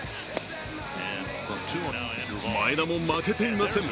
前田も負けていません。